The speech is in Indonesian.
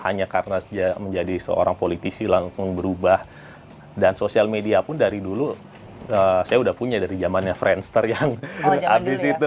hanya karena menjadi seorang politisi langsung berubah dan sosial media pun dari dulu saya udah punya dari zamannya friendster yang abis itu